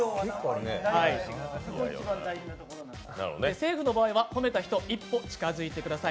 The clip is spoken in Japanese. セーフの場合は褒めた人、一歩近づいてください。